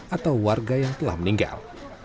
atau warga yang telah meninggal